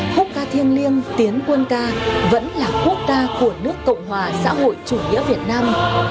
khúc ca thiêng liêng tiến quân ca vẫn là quốc ca của nước cộng hòa xã hội chủ nghĩa việt nam